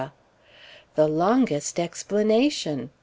The longest explanation!